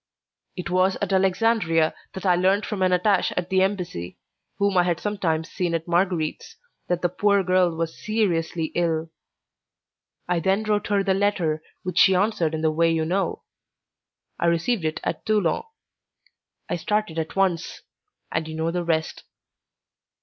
It was at Alexandria that I learned from an attaché at the embassy, whom I had sometimes seen at Marguerite's, that the poor girl was seriously ill. I then wrote her the letter which she answered in the way you know; I received it at Toulon. I started at once, and you know the rest.